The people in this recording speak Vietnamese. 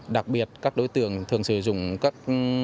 đặc biệt các đối tượng thường sử dụng các